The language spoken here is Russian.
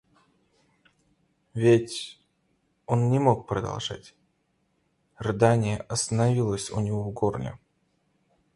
Ведь...— он не мог продолжать, рыдание остановилось у него в горле.